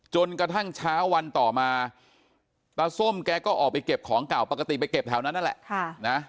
จนกระทั่งเช้าวันต่อมาตาส้มแกก็ออกไปเก็บของเก่าปกติไปเก็บแถวนั้นนั่นแหละ